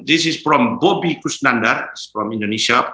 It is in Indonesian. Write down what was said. ini dari bobby kusnandar dari indonesia